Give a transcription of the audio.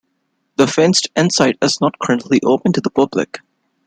The fenced-in site is not currently open to the public.